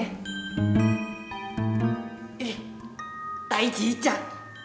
eh tai cicak